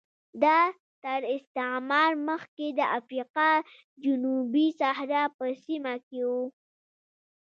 دا تر استعمار مخکې د افریقا جنوبي صحرا په سیمه کې و